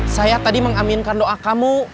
saya tadi mengaminkan doa kamu